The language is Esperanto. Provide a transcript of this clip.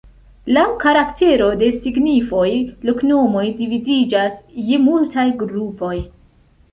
Laŭ karaktero de signifoj, loknomoj dividiĝas je multaj grupoj.